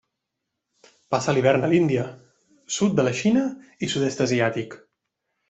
Passa l'hivern a l'Índia, sud de la Xina i Sud-est asiàtic.